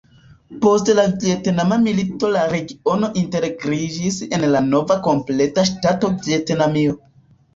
Post la Vjetnama Milito la regiono integriĝis en la nova kompleta ŝtato Vjetnamio.